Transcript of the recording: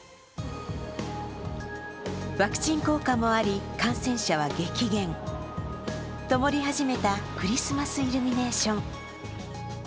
ワクチン効果もあり、感染者は激減ともり始めたクリスマスイルミネーション。